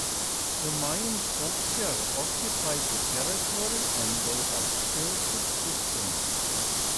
The Mayan culture occupied the territory and they are still subsisting.